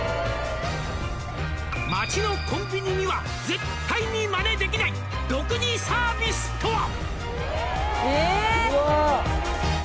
「街のコンビニには絶対にマネできない」「独自サービスとは！？」